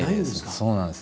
そうなんです。